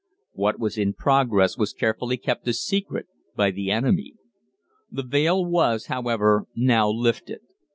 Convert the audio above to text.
What was in progress was carefully kept a secret by the enemy. The veil was, however, now lifted.